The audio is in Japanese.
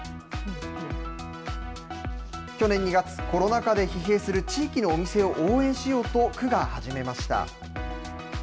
去年２月、コロナ禍で疲弊する地域のお店を応援しようと区が始めました。